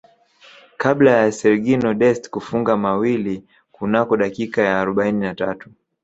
kabla ya Sergino Dest kufunga mawili kunako dakika ya arobaini na tatu